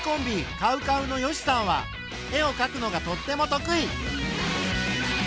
ＣＯＷＣＯＷの善しさんは絵をかくのがとっても得意。